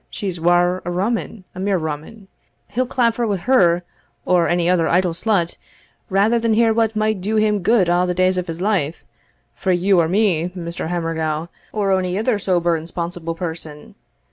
she's waur a Roman, a mere Roman) he'll claver wi' her, or any ither idle slut, rather than hear what might do him gude a' the days of his life, frae you or me, Mr. Hammorgaw, or ony ither sober and sponsible person.